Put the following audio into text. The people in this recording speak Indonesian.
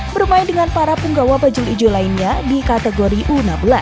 bermain dengan para penggawa bajul ijo lainnya di kategori u enam belas